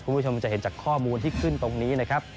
คุณผู้ชมจะเห็นจากข้อมูลที่ขึ้นตรงนี้นะครับ